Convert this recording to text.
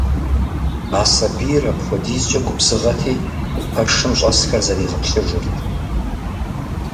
А сэбийр апхуэдизкӏэ губзыгъэти, пэшым щӏэсхэр зэригъэплъыжырт.